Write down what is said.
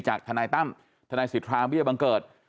จากทนายตั้มทนายศิษยาวิทยาบังเกิร์ต